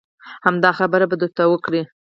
همدا خبره به درته وکړي.